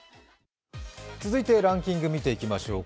続いてランキング見ていきましょう。